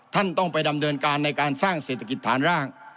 ท่านต้องไปดำเนินการในการสร้างเศรษฐกิจฐานร่าง